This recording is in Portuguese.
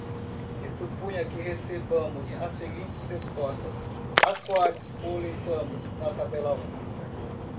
E suponha que recebamos as seguintes respostas, as quais coletamos na tabela u.